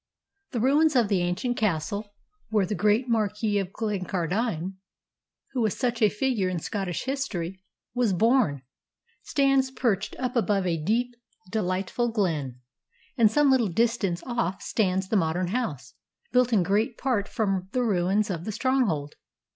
The ruins of the ancient castle, where the great Marquis of Glencardine, who was such a figure in Scottish history, was born, stands perched up above a deep, delightful glen; and some little distance off stands the modern house, built in great part from the ruins of the stronghold."